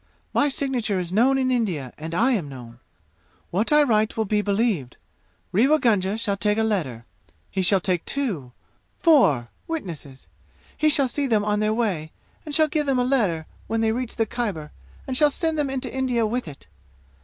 My signature is known in India and I am known. What I write will be believed. Rewa Gunga shall take a letter. He shall take two four witnesses. He shall see them on their way and shall give them the letter when they reach the Khyber and shall send them into India with it.